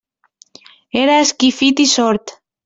Era esquifit i sord.